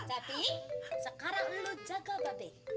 cepi sekarang lu jaga mbak be